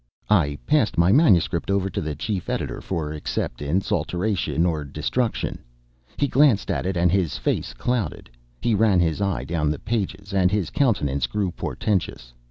I passed my manuscript over to the chief editor for acceptance, alteration, or destruction. He glanced at it and his face clouded. He ran his eye down the pages, and his countenance grew portentous.